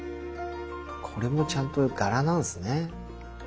これもちゃんと柄なんですね。